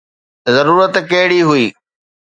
ضرورت ڪهڙي هئي؟